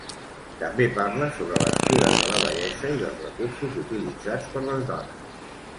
També parla sobre les cures de la bellesa i dels recursos utilitzats per les dones.